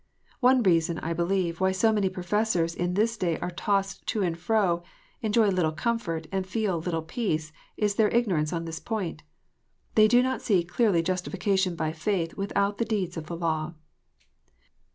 One reason, I believe, why so many professors in this day are tossed to and fro, enjoy little comfort, and feel little peace, is their ignorance on this point. They do not see clearly justification by faith without the deeds of the law.